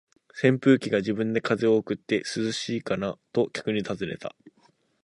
扇風機が自分で風を送って、「涼しいかな？」と客に尋ねた。